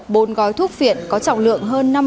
bốn gói thuốc phiện có trọng lượng hơn năm mươi triệu đồng